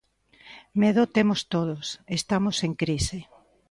Medo temos todos, estamos en crise.